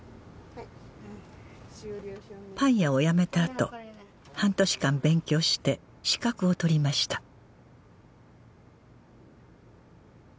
パン屋を辞めたあと半年間勉強して資格を取りました